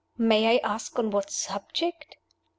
"May I ask on what subject?"